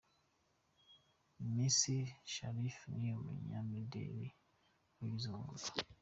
Misi Sharifa ni umunyamideli wabigize umwuga.